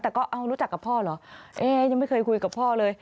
แต่ก็เอารู้จักกับพ่อเหรอเอ๊ยังไม่เคยคุยกับพ่อเลย